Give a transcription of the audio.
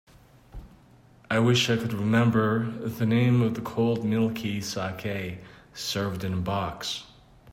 I wish I could remember the name of the cold milky saké served in a box.